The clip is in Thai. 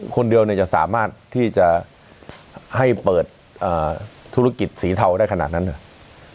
คนเดียวเนี่ยจะสามารถที่จะให้เปิดธุรกิจสีเทาได้ขนาดนั้นหรือ